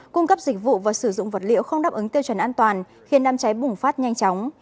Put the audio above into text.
cung cấp dịch vụ và sử dụng vật liệu không đáp ứng tiêu chuẩn an toàn khiến nam cháy bùng phát nhanh chóng